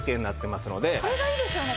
これがいいですよね。